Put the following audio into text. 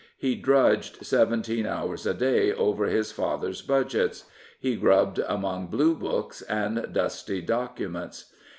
He drudged seventeen hours a day over his father's budgets; he grubbed among blue books and dusty documents.